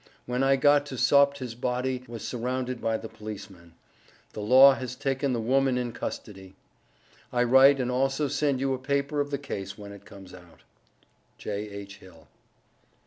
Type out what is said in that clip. When I got to Sopt his Body was surrounded by the Policeman. The law has taken the woman in cusidy. I write and also send you a paper of the case when it comes out. J.H. HILL.